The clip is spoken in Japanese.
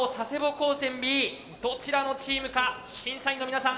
どちらのチームか審査員の皆さん